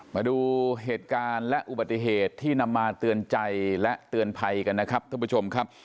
มาดูเหตุการณ์และอุบัติเหตุที่นำมาเตือนใจและเตือนภัยกันนะครับท่านผู้ชมครับ